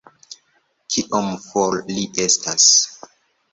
Kiom for li estas